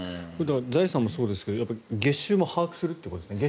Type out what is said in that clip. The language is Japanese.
財産もそうですが月収も把握するってことですね。